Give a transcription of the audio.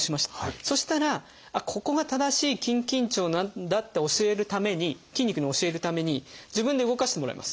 そしたらここが正しい筋緊張なんだって教えるために筋肉に教えるために自分で動かしてもらいます。